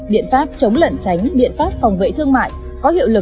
biện pháp chống lận tránh biện pháp phòng vệ thương mại